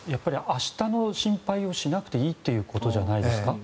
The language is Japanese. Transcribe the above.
明日の心配をしなくていいということじゃないですか。